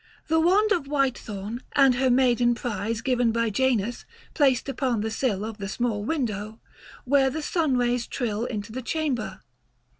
The wand of white thorn, and her maiden prize Given by Janus, placed upon the sill 195 Of the small window, where the sun rays trill Into the chamber.